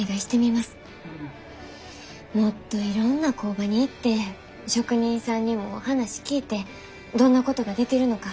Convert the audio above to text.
もっといろんな工場に行って職人さんにも話聞いてどんなことができるのかもっぺん考えてみます。